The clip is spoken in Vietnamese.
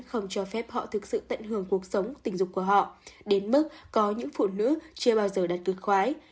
không cho phép họ thực sự tận hưởng cuộc sống tình dục của họ đến mức có những phụ nữ chưa bao giờ đặt cược khoái